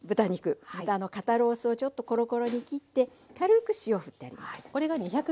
豚の肩ロースをちょっとコロコロに切って軽く塩ふってあります。